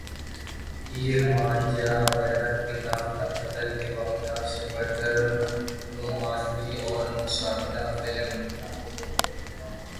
ہیر مان جا غیرت کے نام پر قتل کے واقعات سے بڑھ کر رومانوی اور مصالحہ فلم